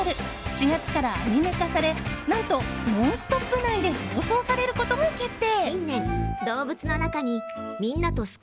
４月からアニメ化され何と、「ノンストップ！」内で放送されることが決定。